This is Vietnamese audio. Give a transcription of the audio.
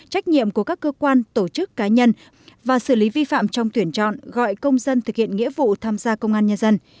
trách nhiệm của các cơ quan tổ chức cá nhân và xử lý vi phạm trong tuyển chọn gọi công dân thực hiện nghĩa vụ tham gia công an nhân dân